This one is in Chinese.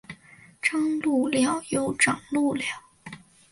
张路寮又掌路寮。